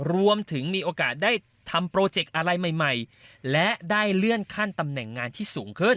มีโอกาสได้ทำโปรเจกต์อะไรใหม่และได้เลื่อนขั้นตำแหน่งงานที่สูงขึ้น